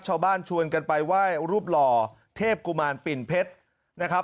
ชาวบ้านชวนกันไปไหว้รูปร่อเทพกุมารสปริ่มเพชร